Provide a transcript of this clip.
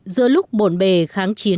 giữa lúc bồn bề kháng chiến